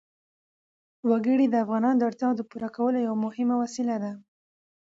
وګړي د افغانانو د اړتیاوو د پوره کولو یوه مهمه وسیله ده.